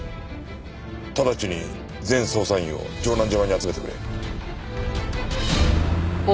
直ちに全捜査員を城南島に集めてくれ。